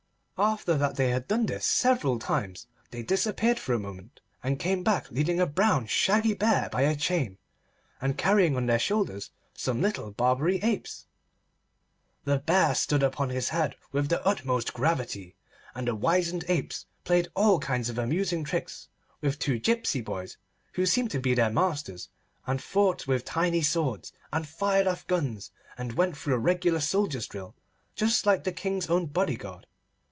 After that they had done this several times, they disappeared for a moment and came back leading a brown shaggy bear by a chain, and carrying on their shoulders some little Barbary apes. The bear stood upon his head with the utmost gravity, and the wizened apes played all kinds of amusing tricks with two gipsy boys who seemed to be their masters, and fought with tiny swords, and fired off guns, and went through a regular soldier's drill just like the King's own bodyguard.